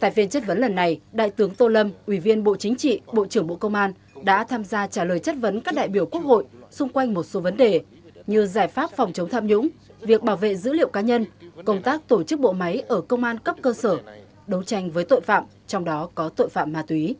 tại phiên chất vấn lần này đại tướng tô lâm ủy viên bộ chính trị bộ trưởng bộ công an đã tham gia trả lời chất vấn các đại biểu quốc hội xung quanh một số vấn đề như giải pháp phòng chống tham nhũng việc bảo vệ dữ liệu cá nhân công tác tổ chức bộ máy ở công an cấp cơ sở đấu tranh với tội phạm trong đó có tội phạm ma túy